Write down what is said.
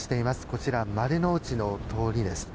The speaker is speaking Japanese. こちら丸の内の通りです。